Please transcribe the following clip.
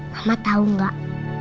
mama tau nggak